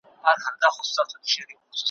هومره ډار نه وي د دښت له لړمانو ,